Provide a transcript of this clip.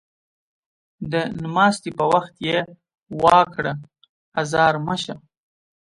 د نماستي په وخت يې وا کړه ازار مه شه